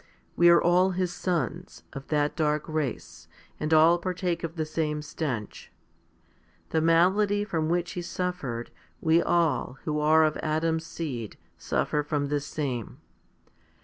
We all are his sons, of that dark race, and all partake of the same stench. The malady from which he suffered, we all, who are of Adam's seed, suffer from the same.